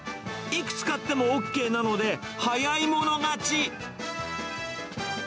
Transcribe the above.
いくつ買ってもＯＫなので、早い者勝ち。